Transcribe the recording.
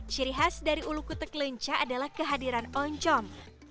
ciri khas dari ulu kutek lenca adalah kehadiran oncom